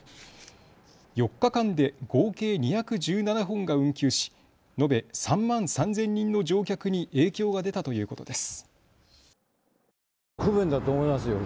４日間で合計２１７本が運休し延べ３万３０００人の乗客に影響が出たということです。